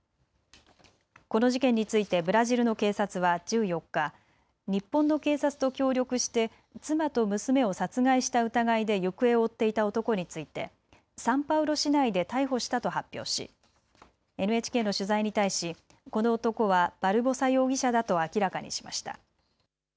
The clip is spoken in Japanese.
この事件についてブラジルの警察は１４日、日本の警察と協力して妻と娘を殺害した疑いで行方を追っていた男についてサンパウロ市内で逮捕したと発表しＮＨＫの取材に対しこの男はバルボサ容疑者だと明らかにしました。